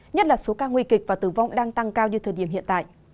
nhất là số ca nguy kịch và tử vong đang tăng cao như thời điểm hiện tại